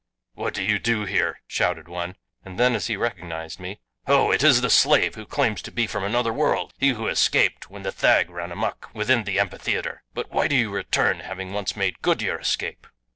"What do you here?" shouted one, and then as he recognized me, "Ho! It is the slave who claims to be from another world he who escaped when the thag ran amuck within the amphitheater. But why do you return, having once made good your escape?"